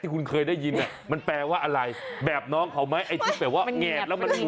เคยได้ยินอ่ะมันแปลว่าอะไรแบบน้องเขาไหมไอ้ที่แปลว่ามันเงียบมันเงียบ